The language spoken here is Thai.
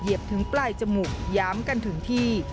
เหยียบถึงปลายจมูกยามกันถึงที่